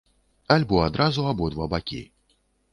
Альбо адразу абодва бакі.